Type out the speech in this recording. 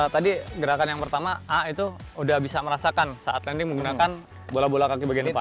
tadi gerakan yang pertama a itu udah bisa merasakan saat landing menggunakan bola bola kaki bagian depan